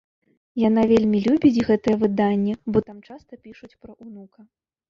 Яна вельмі любіць гэтае выданне, бо там часта пішуць пра ўнука.